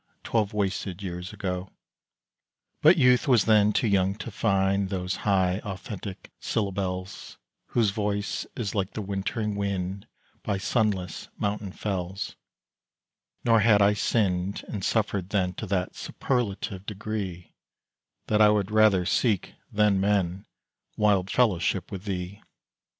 Twelve wasted years ago. But youth was then too young to find Those high authentic syllables, Whose voice is like the wintering wind By sunless mountain fells; Nor had I sinned and suffered then To that superlative degree That I would rather seek, than men, Wild fellowship with thee!